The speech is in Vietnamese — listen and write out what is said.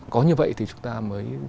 có như vậy thì chúng ta mới